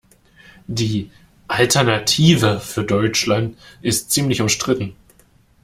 Die Alternative für Deutschland ist ziemlich umstritten.